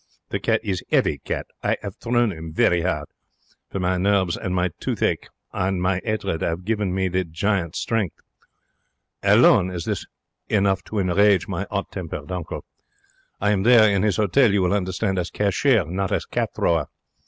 The cat is 'eavy cat. I 'ave thrown 'im very hard, for my nerves and my toothache and my 'atred 'ave given me the giant's strength. Alone is this enough to enrage my 'ot tempered uncle. I am there in his hotel, you will understand, as cashier, not as cat thrower.